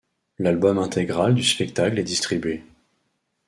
L'album intégral du spectacle est distribué.